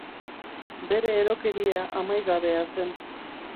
Bere erokeria amaigabea zen.